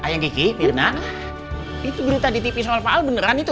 ayang kiki mirna itu beli tadi tv soal papa alda beneran itu